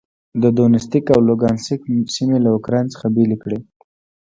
د دونیتسک او لوګانسک سیمې له اوکراین څخه بېلې کړې.